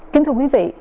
kính thưa quý vị